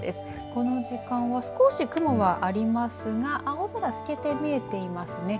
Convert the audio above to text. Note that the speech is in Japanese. この時間は少し雲はありますが青空、透けて見えていますね。